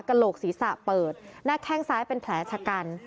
โหลกศีรษะเปิดหน้าแข้งซ้ายเป็นแผลชะกัน